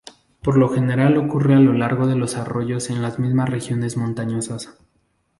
Por lo general ocurre a lo largo de los arroyos en las regiones montañosas.